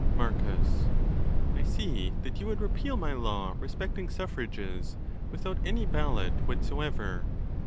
: Marcus.—I see that you would repeal my law respecting suffrages, without any ballot whatsoever.